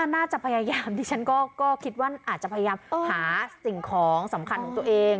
น่าจะพยายามดิฉันก็คิดว่าอาจจะพยายามหาสิ่งของสำคัญของตัวเอง